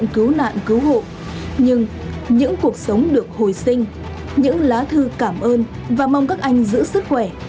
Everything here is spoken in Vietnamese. những cuộc sống được hồi sinh những lá thư cảm ơn và mong các anh giữ sức khỏe